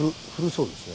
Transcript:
そうですね。